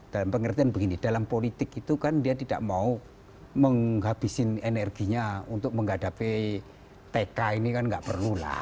dan pengertian begini dalam politik itu kan dia tidak mau menghabisin energinya untuk menghadapi tk ini kan nggak perlu lah